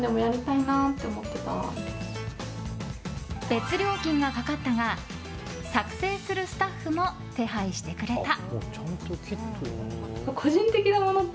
別料金がかかったが作成するスタッフも手配してくれた。